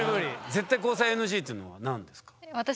「絶対交際ＮＧ」っていうのは何ですか？